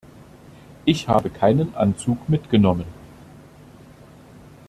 Ich habe keinen Anzug mitgenommen.